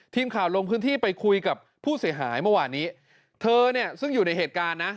ทีมข่าวลงพื้นที่ไปคุยกับผู้เสียหายเมื่อวานนี้เธอเนี่ยซึ่งอยู่ในเหตุการณ์นะ